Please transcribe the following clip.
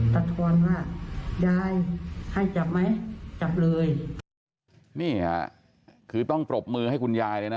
ทอนว่ายายให้จับไหมจับเลยนี่ค่ะคือต้องปรบมือให้คุณยายเลยนะ